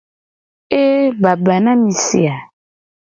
Eeeeee baba na mi si a.